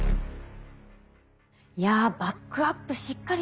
いやバックアップしっかりしてますね。